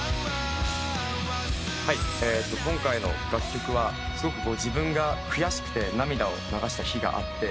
今回の楽曲はすごく自分が悔しくて涙を流した日があって。